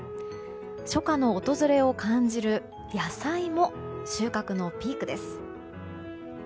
初夏の訪れを感じる野菜も収穫のピークです。